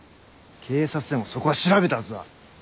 警察でもそこは調べたはずだ。